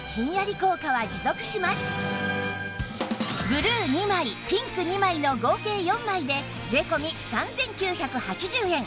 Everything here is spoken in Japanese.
ブルー２枚ピンク２枚の合計４枚で税込３９８０円